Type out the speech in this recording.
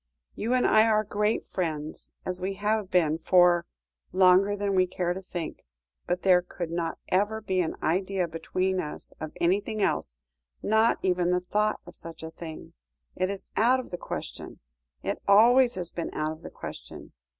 "You and I are great friends, as we have been for longer than we care to think. But there could not ever be an idea between us of anything else, not even the thought of such a thing. It is out of the question. It always has been out of the question.